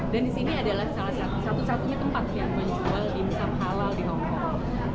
dan di sini adalah salah satu satu satunya tempat yang menjual diimsam halal di hongkong